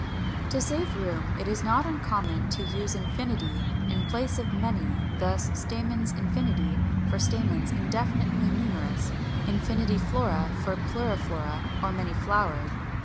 582. To save room it is not uncommon to use ∞ in place of "many;" thus, "Stamens ∞," for stamens indefinitely numerous: "∞ flora" for pluriflora or many flowered.